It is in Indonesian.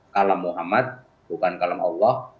kalam muhammad bukan kalam allah